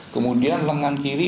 kemudian lengan kiri